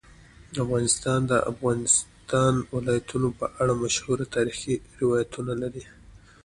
افغانستان د د افغانستان ولايتونه په اړه مشهور تاریخی روایتونه لري.